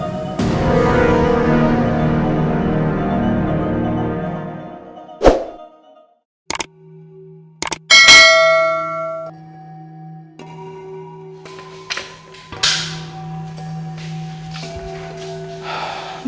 tidak ada apa apa